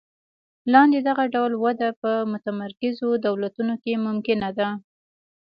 لاندې دغه ډول وده په متمرکزو دولتونو کې ممکنه ده.